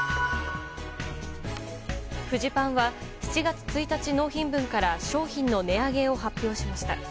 フジパンは、７月１日納品分から商品の値上げを発表しました。